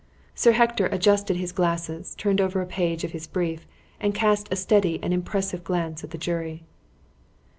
Sir Hector adjusted his glasses, turned over a page of his brief, and cast a steady and impressive glance at the jury.